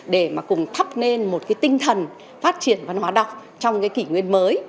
để cùng thắp nên một tinh thần phát triển văn hóa đọc trong kỷ nguyên mới